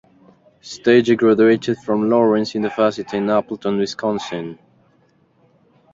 Steiger graduated from Lawrence University in Appleton, Wisconsin.